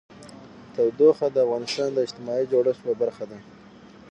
تودوخه د افغانستان د اجتماعي جوړښت یوه برخه ده.